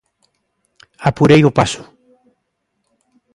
Apurei o paso.